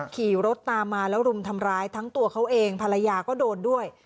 ขี่รถตามมาแล้วรุมทำร้ายทั้งตัวเขาเองภรรยาก็โดนด้วย